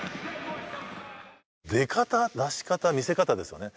出方、出し方、見せ方ですよね。